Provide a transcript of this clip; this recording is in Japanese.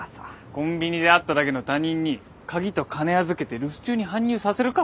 コンビニで会っただけの他人に鍵と金預けて留守中に搬入させるか？